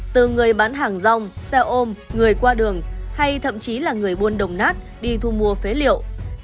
từ người bán hàng rong xe ôm người qua đường hay thậm chí là người buôn đồng nát đi thu mua phế liệu